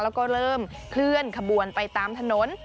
แล้วก็เริ่มเคลื่อนขบวนไปตามถนน